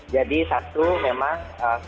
jadi satu memang